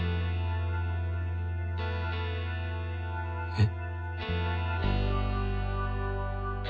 えっ？